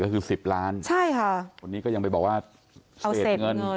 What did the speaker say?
ก็คือสิบล้านใช่ค่ะวันนี้ก็ยังไปบอกว่าเศษเงิน